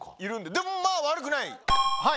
でもまぁ悪くない。